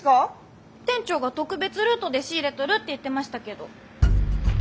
店長が特別ルートで仕入れとるって言ってましたけど。